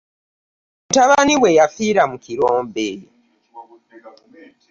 Mutabani we yafiira mu kirombe.